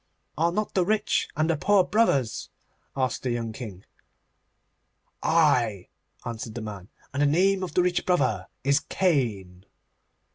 'Are not the rich and the poor brothers?' asked the young King. 'Ay,' answered the man, 'and the name of the rich brother is Cain.